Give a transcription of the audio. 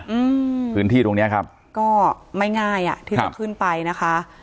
อืมพื้นที่ตรงเนี้ยครับก็ไม่ง่ายอ่ะที่จะขึ้นไปนะคะ